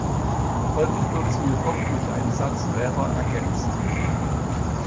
Häufig wird sie jedoch durch einen Satz Räder ergänzt.